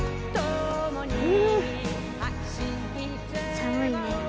寒いね。